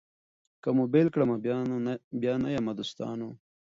که مو بېل کړمه بیا نه یمه دوستانو